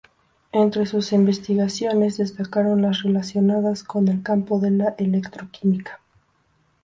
Entre sus investigaciones destacaron las relacionadas con el campo de la electroquímica.